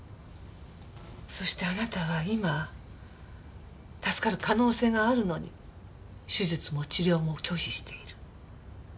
そしてあなたは今助かる可能性があるのに手術も治療も拒否している。